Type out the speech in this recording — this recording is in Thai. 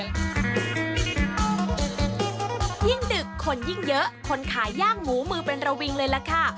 ยิ่งดึกคนยิ่งเยอะคนขายย่างหมูมือเป็นระวิงเลยล่ะค่ะ